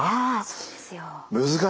そうですよ。